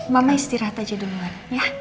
mama istirahat aja duluan